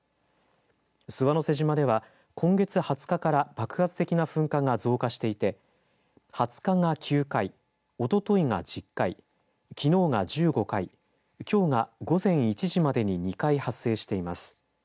諏訪之瀬島では今月２０日から爆発的な噴火が増加していて２０日が９回おとといが１０回きのうが１５回きょうが午前１時までに２回発生しています。